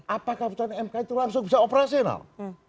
apakah keputusan mk itu langsung bisa operasional